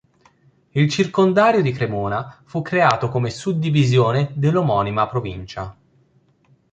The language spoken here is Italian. Il circondario di Cremona fu creato come suddivisione dell'omonima provincia.